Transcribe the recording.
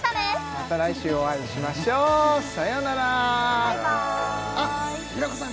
また来週お会いしましょうさよならあ平子さん